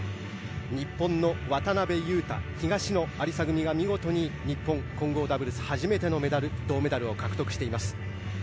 日本の渡辺勇大・東野有紗組が見事に、日本混合ダブルス初めてのメダル銅メダルを獲得しています。